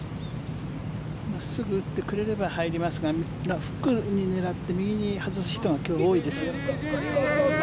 真っすぐ打ってくれれば入りますが、フックに狙って右に外す人が今日は多いです。